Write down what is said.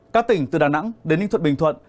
các tỉnh từ đà nẵng đến ninh thuận bình thuận